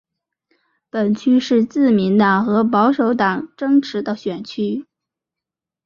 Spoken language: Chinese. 本区是自民党和保守党争持的选区。